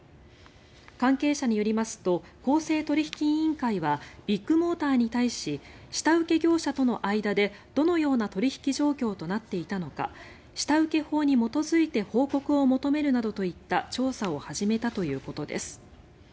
関係者によりますと公正取引委員会はビッグモーターに対し下請け業者との間でどのような取引状況となっていたのか下請法に基づいて報告を求めるなどといった調査を始めたということです。